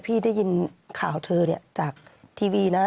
พี่ได้ยินข่าวเธอเนี่ยจากทีวีนะ